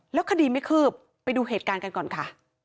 แล้วคดีไม่คืบไปดูเหตุการณ์กันก่อนค่ะ